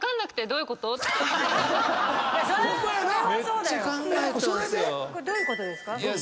どういうことですか？